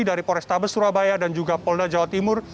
dari polrestabes surabaya dan juga polda jawa timur